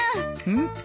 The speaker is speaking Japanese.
うん？